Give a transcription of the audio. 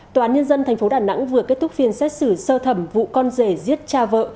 tòa án nhân dân tp đà nẵng vừa kết thúc phiên xét xử sơ thẩm vụ con rể giết cha vợ